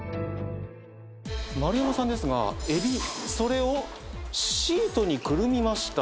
丸山さんですが海老それをシートにくるみました